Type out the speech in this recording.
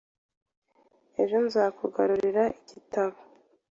Ejo nzakugarurira igitabo